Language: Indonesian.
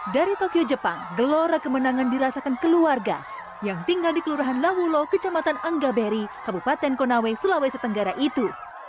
dari tokyo jepang gelora kemenangan dirasakan keluarga yang tinggal di kelurahan lawulo kecamatan anggaberi kabupaten konawe sulawesi tenggara itu